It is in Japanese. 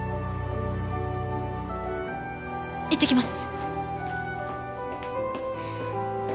いってきます。